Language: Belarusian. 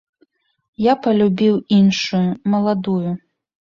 Я палюбіў іншую, маладую.